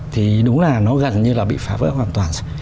thì đúng là nó gần như là bị phá vỡ hoàn toàn rồi